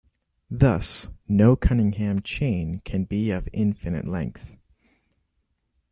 Thus, no Cunningham chain can be of infinite length.